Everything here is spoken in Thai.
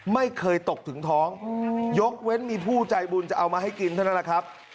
ไม่เคยตกถึงท้องยกเว้นมีผู้ใจบุญจะเอามาให้กินเท่านั้นแหละครับ